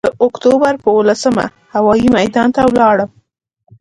د اکتوبر پر اوولسمه هوايي میدان ته ولاړم.